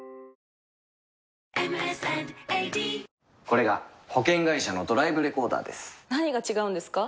これが保険会社のドライブレコーダーです何が違うんですか？